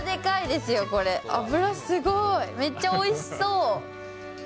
めっちゃおいしそう。